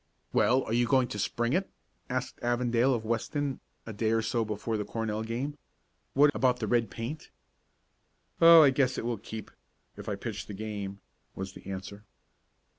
"Well, are you going to spring it?" asked Avondale of Weston, a day or so before the Cornell game. "What about the red paint?" "Oh, I guess it will keep if I pitch the game," was the answer.